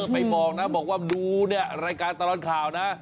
ไปบอกนะบอกว่าดูเนี่ยรายการตลอดข่าวนะ